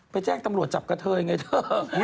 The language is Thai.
แจ้งตำรวจจับกระเทยยังไงเธอ